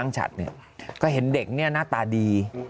จะเห็นเด็กนี้หน้าตาดี